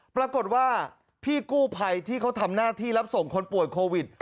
ปรากฏว่าพี่กู้ภัยที่เขาทำหน้าที่รับส่งคนป่วยโควิด